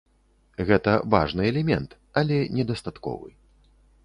Гэта важны элемент, але недастатковы.